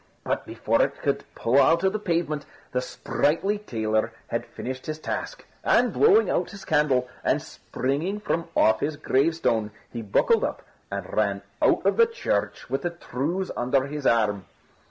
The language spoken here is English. But before it could pull it out of the pavement, the sprightly tailor had finished his task; and, blowing out his candle, and springing from off his gravestone, he buckled up, and ran out of the church with the trews under his arm.